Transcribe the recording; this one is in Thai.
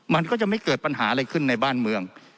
มันก็จะไม่เกิดปัญหาอะไรขึ้นในบ้านเมือง